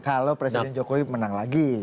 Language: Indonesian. kalau presiden jokowi menang lagi